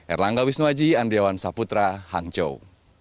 erlangga wisnuaji andriawan saputra hangzhou